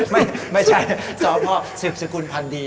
ไม่ใช่สพศึกษุคุณพันธ์ดี